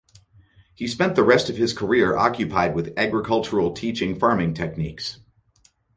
He spent the rest of his career occupied with agricultural teaching farming techniques.